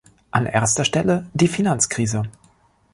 An erster Stelle, die Finanzkrise.